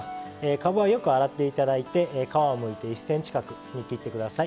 かぶはよく洗って頂いて皮をむいて１ｃｍ角に切って下さい。